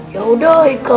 ya udah haikal